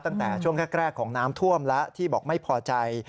ตั้งแต่ช่วงแรกของน้ำท่วมแล้วที่บอกไม่พอใจ